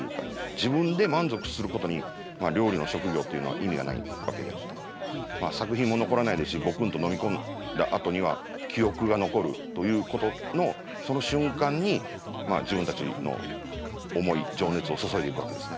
自分で満足することに料理の職業っていうのは意味がないわけであって作品も残らないですしゴクンと飲み込んだあとには記憶が残るということのその瞬間に自分たちの思い情熱を注いでいくわけですね。